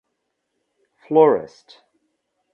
Florist.